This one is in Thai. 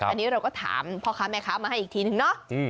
อันนี้เราก็ถามพ่อค้าแม่ค้ามาให้อีกทีนึงเนาะ